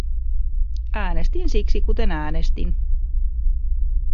Äänestin siksi kuten äänestin.